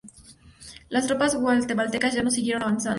Las tropas guatemaltecas ya no siguieron avanzando.